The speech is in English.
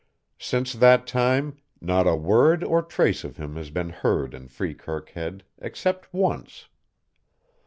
Since that time not a word or trace of him had been heard in Freekirk Head except once.